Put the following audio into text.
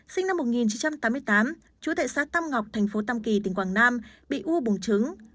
sinh năm một nghìn chín trăm tám mươi tám trú tại xã tâm ngọc thành phố tâm kỳ tỉnh quảng nam bị u bùng trứng